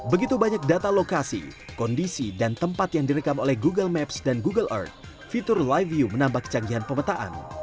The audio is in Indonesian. begitu banyak data lokasi kondisi dan tempat yang direkam oleh google maps dan google earth fitur live view menambah kecanggihan pemetaan